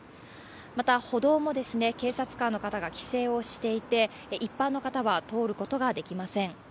また、歩道も警察官の方が規制をしていて、一般の方は通ることができません。